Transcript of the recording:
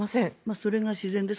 それが自然です。